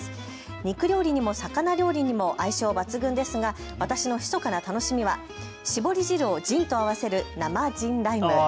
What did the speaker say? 肉料理にも魚料理にも相性抜群ですが私のひそかな楽しみは搾り汁をジンと合わせる生ジンライム。